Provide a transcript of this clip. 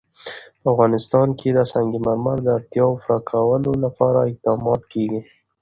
په افغانستان کې د سنگ مرمر د اړتیاوو پوره کولو لپاره اقدامات کېږي.